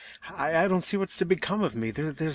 I don't see what's to become of me. There's no one.